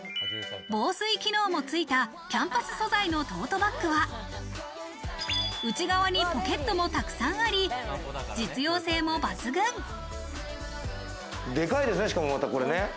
防水機能もついたキャンパス素材のトートバッグは、内側にポケットもたくさんあり、実用性もでかいですね。